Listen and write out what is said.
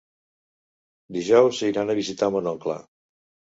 Dijous iran a visitar mon oncle.